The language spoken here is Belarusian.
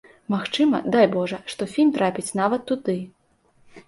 Магчыма, дай божа, што фільм трапіць нават туды.